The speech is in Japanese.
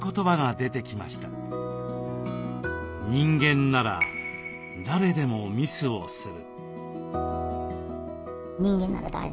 「人間なら誰でもミスをする」。